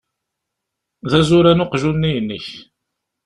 D azuran uqjun-nni-inek.